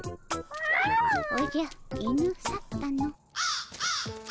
おじゃ犬去ったの。